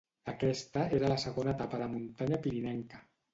Aquesta era la segona etapa de muntanya pirinenca.